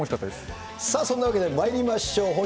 そんなわけでまいりましょう。